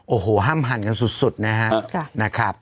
โอ้โหห้ามหั่นกันสุดนะครับ